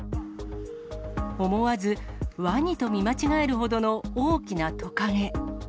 思わず、ワニと見間違えるほどの大きなトカゲ。